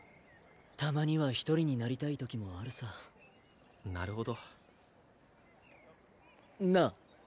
たまには一人になりたいときもあるさなるほどなあ